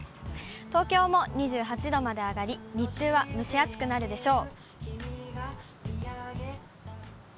東京も２８度まで上がり、日中は蒸し暑くなるでしょう。